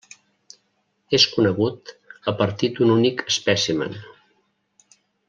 És conegut a partir d'un únic espècimen.